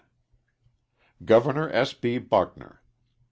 Governor S. B. Buckner.